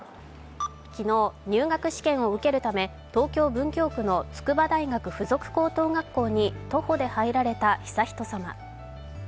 昨日、入学試験を受けるため東京・文京区の筑波大学附属高等学校に徒歩で入られた悠仁さま。